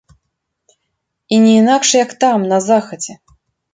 І не інакш як там, на захадзе.